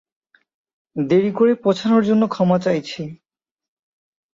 দেরি করে পৌছানোর জন্য ক্ষমা চাইছি।